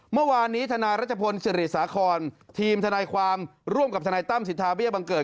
เมื่อวานนี้ทนายรัชพลศิริสาครทีมทนายความร่วมกับทนายตั้มสิทธาเบี้ยบังเกิด